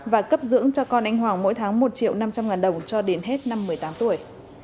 và cấp dưỡng cho con anh hoàng mỗi tháng một triệu năm trăm linh ngàn đồng cho đến hết năm một mươi tám tuổi